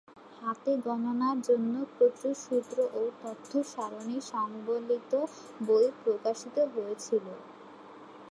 হাতে গণনার জন্য প্রচুর সুত্র ও তথ্য সারণি সংবলিত বই প্রকাশিত হয়েছিল।